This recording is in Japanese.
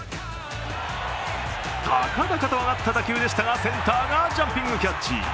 高々と上がった打球でしたが、センターがジャンピングキャッチ。